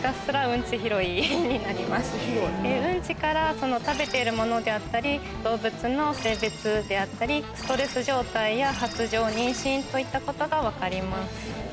うんちからその食べているものであったり、動物の性別であったり、ストレス状態や発情、妊娠といったことが分かります。